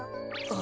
あ？